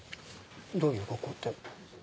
「どういう学校」って？